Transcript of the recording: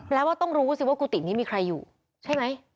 แล้วว่าต้องรู้สิว่ากุฏินี้มีใครอยู่ใช่ไหม